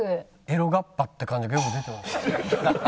エロ河童って感じがよく出てますね。